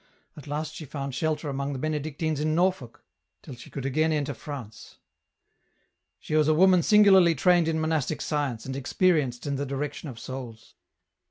At last she found shelter among the Benedictines in Norfolk, till she could again enter France. " She was a woman singularly trained in monastic science and experienced in the direction of souls.